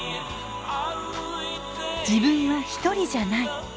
自分は一人じゃない。